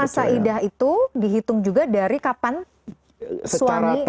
jadi masa idah itu dihitung juga dari kapan suami menerima